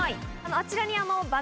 あちらに。